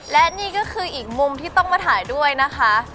และนี่ก็คืออีกมุมที่ต้องมาถ่ายด้วยนะคะ